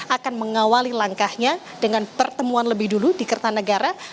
akan mengawali langkahnya dengan pertemuan lebih dulu di kertanegara